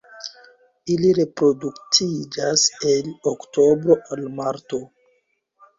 Ili reproduktiĝas el oktobro al marto.